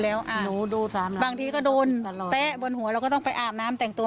แล้วบางทีก็โดนแป๊ะบนหัวเราก็ต้องไปอาบน้ำแต่งตัว